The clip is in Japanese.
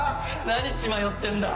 何血迷ってんだ？